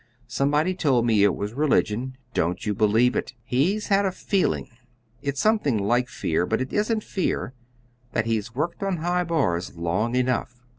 Somebody told me it was religion. Don't you believe it. He's had a feeling it's something like fear, but it isn't fear that he's worked on high bars long enough."